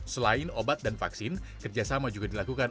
selain obat dan vaksin kerjasama juga dilakukan